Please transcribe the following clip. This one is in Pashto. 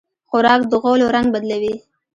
خوراک د غولو رنګ بدلوي.